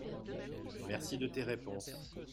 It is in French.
mersi de tes réponses.